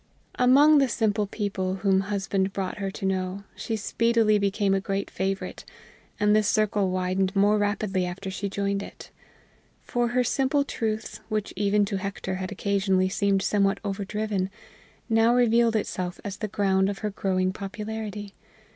Among the simple people whom husband brought her to know, she speedily became a great favorite, and this circle widened more rapidly after she joined it. For her simple truth, which even to Hector had occasionally seemed some what overdriven, now revealed itself as the ground of her growing popularity.